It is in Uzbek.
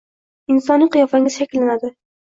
insoniy qiyofangiz shakllanadi.